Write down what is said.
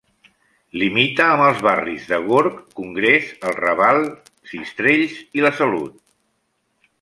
Limita amb els barris de Gorg, Congrés, El Raval, Sistrells i La Salut.